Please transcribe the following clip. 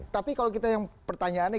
tapi kalau kita yang pertanyaannya